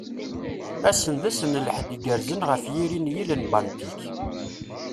Ass-en d ass n lḥedd igerrzen ɣef yiri n yill n Baltik.